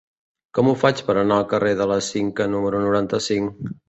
Com ho faig per anar al carrer del Cinca número noranta-cinc?